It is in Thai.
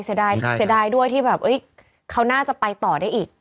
เสียดายด้วยที่แบบเขาน่าจะไปต่อได้อีก